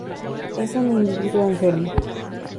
Es un individuo enfermo".